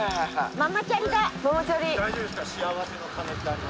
ママチャリ。